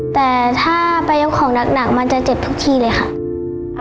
แต่ถ้าไปยกของหนักมันจะเจ็บทุกทีเลยค่ะ